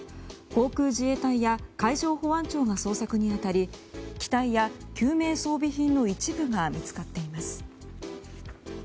航空自衛隊や海上保安庁が捜索に当たり機体や救命装備品の一部が見つかっています。